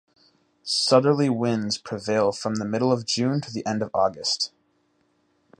Southerly winds prevail from the middle of June to the end of August.